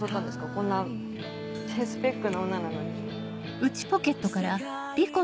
こんな低スペックな女なのに。